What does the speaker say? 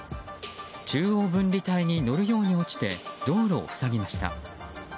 中央分離帯に乗るように落ちて道路を塞ぎました。